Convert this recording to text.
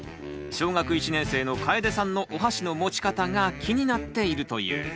小学１年生のかえでさんのおはしの持ち方が気になっているという。